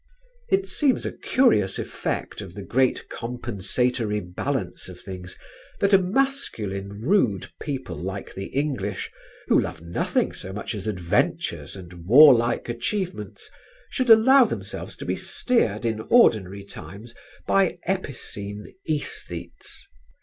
It seems a curious effect of the great compensatory balance of things that a masculine rude people like the English, who love nothing so much as adventures and warlike achievements, should allow themselves to be steered in ordinary times by epicene æsthetes.